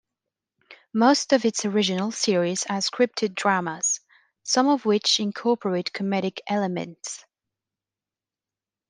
Most of its original series are scripted dramas, some of which incorporate comedic elements.